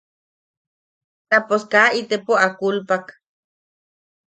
Tapos kaa itepo a kulpak.